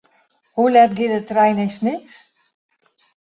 Hoe let giet de trein nei Snits?